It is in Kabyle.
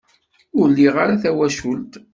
Ur liɣ ara tawacult.